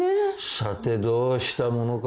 さてどうしたものか。